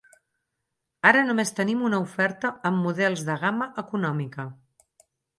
Ara només tenim una oferta amb models de gamma econòmica.